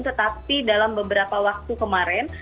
tetapi dalam beberapa waktu kemarin